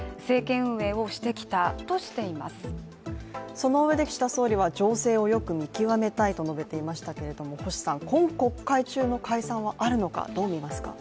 そのうえで岸田総理は情勢をよく見極めたいと述べていましたけれども、星さん、今国会中の解散はあるのかどう見ますか？